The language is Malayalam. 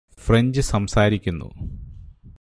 ഫ്രഞ്ച് സംസാരിക്കുന്നു